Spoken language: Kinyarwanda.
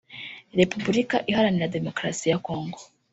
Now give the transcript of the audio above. Repuburika Iharanira Demokarasi ya Congo